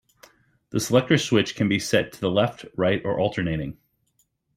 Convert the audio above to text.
The selector switch can be set to left, right, or alternating.